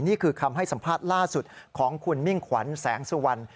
นี่คือคำให้สัมภาษณ์ล่าสุดของคุณมิ่งขวัญแสงสุวรรณ